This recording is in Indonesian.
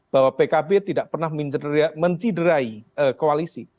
bahwa pkb tidak pernah menciderai koalisi